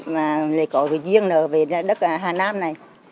mà lại có cái duyên nợ về đất hà nam này